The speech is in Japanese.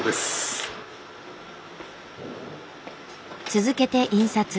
続けて印刷。